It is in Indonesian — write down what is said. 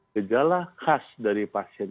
gejala khas dari pasien